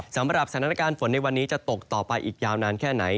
สำหรับสถานการณ์ฝนในวันนี้จะตกต่อไปอีกยาวนานแค่ไหน